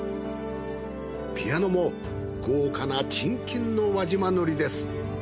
ピアノも豪華な沈金の輪島塗です。